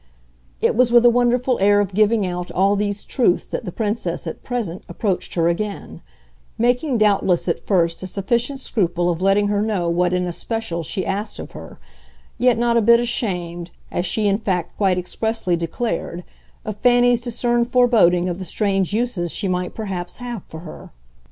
It was with a wonderful air of giving out all these truths that the Princess at present approached her again; making doubtless at first a sufficient scruple of letting her know what in especial she asked of her, yet not a bit ashamed, as she in fact quite expressly declared, of Fanny's discerned foreboding of the strange uses she might perhaps have for her.